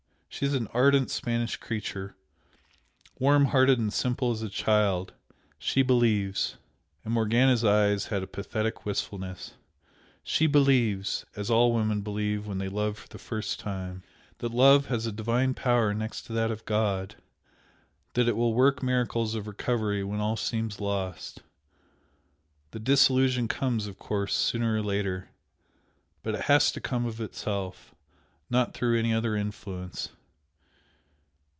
She is an ardent Spanish creature warm hearted and simple as a child, she believes" and Morgana's eyes had a pathetic wistfulness "she believes, as all women believe when they love for the first time, that love has a divine power next to that of God! that it will work miracles of recovery when all seems lost. The disillusion comes, of course, sooner or later, but it has to come of itself not through any other influence.